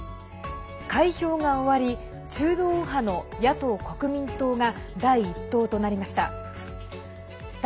開票が終わり中道右派の野党・国民党が第１党となりました。